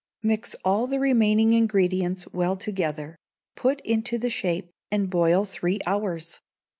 Mix all the remaining ingredients well together, put into the shape, and boil three hours.